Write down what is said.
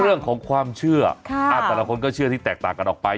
เรื่องของความเชื่อแต่ละคนก็เชื่อที่แตกต่างกันออกไป